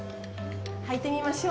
入ってみましょう。